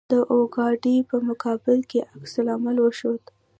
د اورګاډي په مقابل کې عکس العمل وښود.